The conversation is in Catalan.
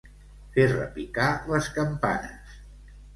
Fer repicar les campanes.